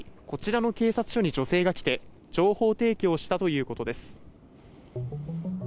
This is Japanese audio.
こちらの警察署に女性が来て情報提供したということです。